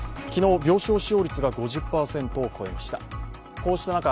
昨日、病床使用率が５０％を超えました。